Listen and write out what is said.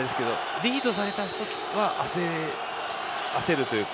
リードされた時は焦るというか。